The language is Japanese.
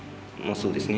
そうですね。